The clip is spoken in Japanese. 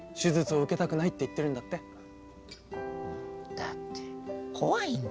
だって怖いんだ。